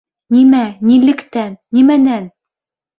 Нимә? Нилектән? Нимәнән?